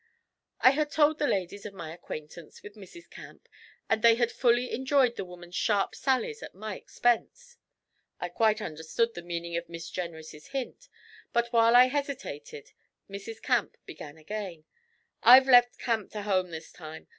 I had told the ladies of my acquaintance with Mrs. Camp, and they had fully enjoyed the woman's sharp sallies at my expense. I quite understood the meaning of Miss Jenrys' hint, but while I hesitated, Mrs. Camp began again: 'I've left Camp to home this time.